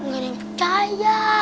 gak ada yang percaya